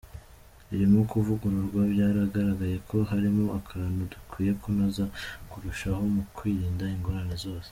Ririmo kuvugururwa, byagaragaye ko harimo akantu dukwiye kunoza kurushaho mu kwirinda ingorane zose.